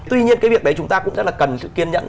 tuy nhiên cái việc đấy chúng ta cũng rất là cần sự kiên nhận